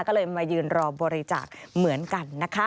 ก็เลยมายืนรอบริจาคเหมือนกันนะคะ